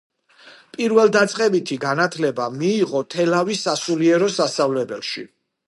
პირველდაწყებითი განათლება მიიღო თელავის სასულიერო სასწავლებელში.